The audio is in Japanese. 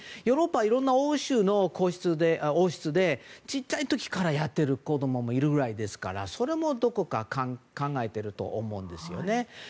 ヨーロッパはいろんな欧州の王室でちっちゃい時からやっている子供もいるくらいですからそれもどこか考えていると思うんですよね。